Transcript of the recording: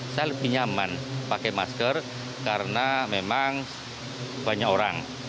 saya lebih nyaman pakai masker karena memang banyak orang